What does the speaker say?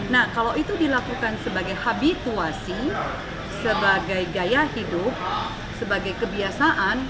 nah kalau itu dilakukan sebagai habituasi sebagai gaya hidup sebagai kebiasaan